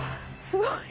すごい！